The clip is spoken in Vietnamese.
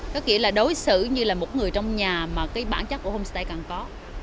có nghĩa là đối xử như là một người trong nhà mà cái bản chất của homestay càng có